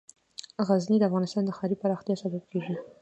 غزني د افغانستان د ښاري پراختیا سبب کېږي.